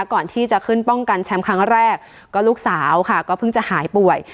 ก่อนที่จะขึ้นป้องกันแชมป์ครั้งแรกก็ลูกสาวค่ะก็เพิ่งจะหายป่วย